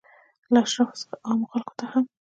له اشرافو څخه عامو خلکو ته هم.